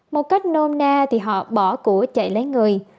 một cách nôm na thì họ bỏ của chạy lấy người